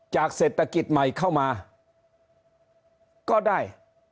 จากเศรษฐกิจใหม่เข้ามาก็ได้๒๕๙